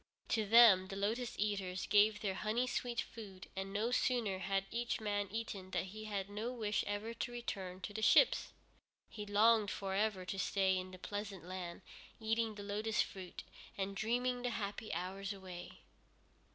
To them the Lotus Eaters gave their honey sweet food, and no sooner had each man eaten than he had no wish ever to return to the ships. He longed for ever to stay in that pleasant land, eating the lotus fruit, and dreaming the happy hours away.